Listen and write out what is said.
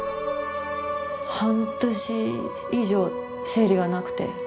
半年以上、生理がなくて。